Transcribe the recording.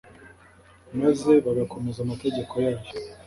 maze bagakomeza amategeko yayo.